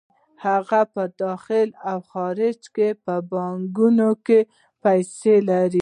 هغه په داخلي او خارجي بانکونو کې پیسې لري